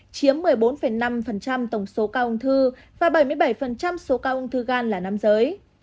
chiếm một mươi bốn năm tổng số cao uống thư và bảy mươi bảy số cao uống thư gan là năm giới